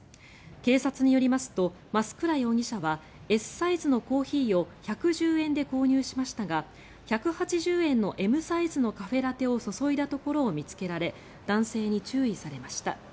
警察によりますと増倉容疑者はＳサイズのコーヒーを１１０円で購入しましたが１８０円のＭサイズのカフェラテを注いだところを見つけられ男性に注意されました。